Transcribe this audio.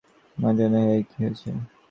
মামুনি, hey, কী হয়েছে?